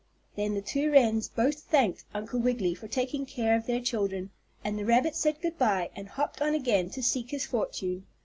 Then the two wrens both thanked Uncle Wiggily for taking care of their children, and the rabbit said good by and hopped on again to seek his fortune.